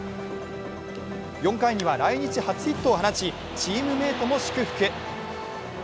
４回には来日初ヒットを放ちチームメートも祝福。